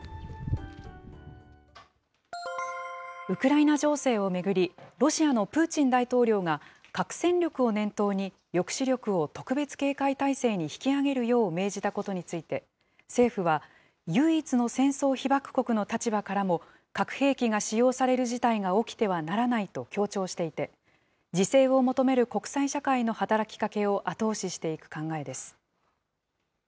ウクライナ情勢を巡り、ロシアのプーチン大統領が、核戦力を念頭に抑止力を特別警戒態勢に引き上げるよう命じたことについて、政府は、唯一の戦争被爆国の立場からも、核兵器が使用される事態が起きてはならないと強調していて、自制を求める国際社会の働きかけを後押ししていく考えです。